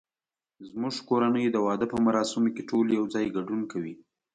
زمونږ کورنۍ د واده په مراسمو کې ټول یو ځای ګډون کوي